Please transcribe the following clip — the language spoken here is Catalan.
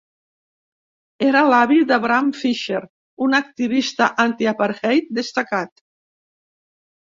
Era l'avi de Bram Fischer, un activista antiapartheid destacat.